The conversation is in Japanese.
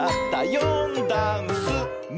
「よんだんす」「め」！